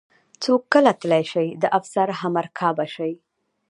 څوک کله تلی شي د افسر همرکابه شي.